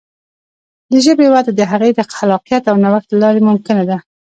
د ژبې وده د هغې د خلاقیت او نوښت له لارې ممکنه ده.